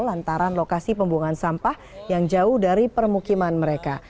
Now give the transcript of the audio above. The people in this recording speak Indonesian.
lantaran lokasi pembuangan sampah yang jauh dari permukiman mereka